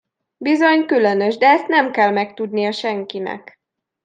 Bizony különös, de ezt nem kell megtudnia senkinek.